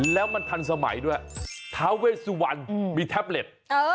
แล้วมันทันสมัยด้วยท้าเวสวันมีแท็บเล็ต